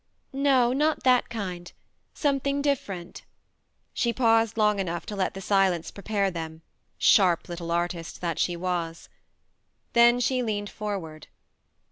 " No not that kind. Something different. ..." She paused long enough to let the silence prepare them : sharp little artist that she was 1 Then 104 THE MARNE she leaned forward.